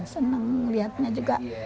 seneng liatnya juga